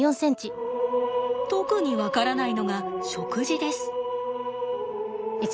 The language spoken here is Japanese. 特に分からないのが食事です。